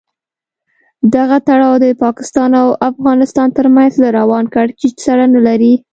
دغه تړاو د پاکستان او افغانستان تر منځ له روان کړکېچ سره نه لري.